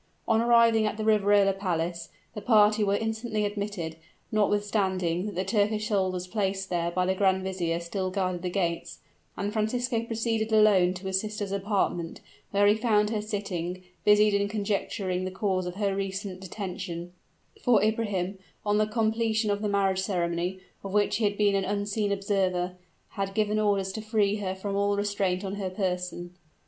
On arriving at the Riverola palace, the party were instantly admitted, notwithstanding that the Turkish soldiers placed there by the grand vizier still guarded the gates: and Francisco proceeded alone to his sister's apartment, where he found her sitting, busied in conjecturing the cause of her recent detention for Ibrahim, on the completion of the marriage ceremony, of which he had been an unseen observer, had given orders to free her from all restraint on her person.